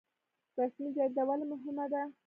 رسمي جریده ولې مهمه ده؟